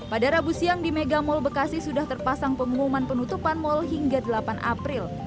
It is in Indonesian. pada rabu siang di mega mall bekasi sudah terpasang pengumuman penutupan mal hingga delapan april